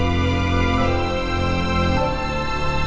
maaf pak maaf pak